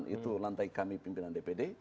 itu lantai kami pimpinan dpd